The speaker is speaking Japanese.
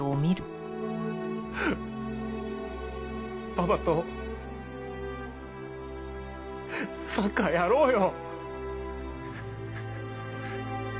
パパとサッカーやろうよ。